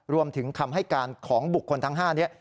รวมถึงคำให้การของบุคคลทั้ง๕นี้